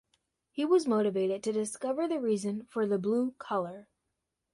He was motivated to discover the reason for the blue colour.